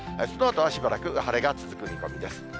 そのあとはしばらく晴れが続く見込みです。